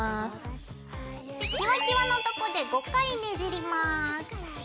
でキワキワのとこで５回ねじります。